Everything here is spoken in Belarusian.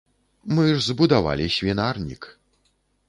Мы ж збудавалі свінарнік.